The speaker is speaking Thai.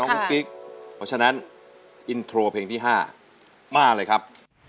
กิ๊กเพราะฉะนั้นอินโทรเพลงที่๕มาเลยครับ